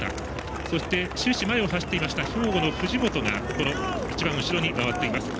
そして、終始前を走っていた兵庫の藤本が一番後ろにいます。